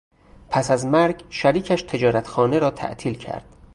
پس از مرگ شریکش تجارتخانه را تعطیل کرد.